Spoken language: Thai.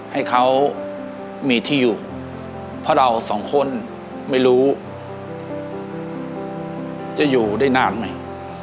ให้เขามีที่อยู่เพราะเราสองคนไม่รู้จะอยู่ได้นานไหม